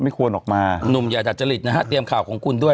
ไม่ควรออกมาหนุ่มอย่าดัจจริตนะฮะเตรียมข่าวของคุณด้วย